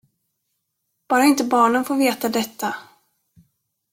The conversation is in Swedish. Bara inte barnen får veta detta!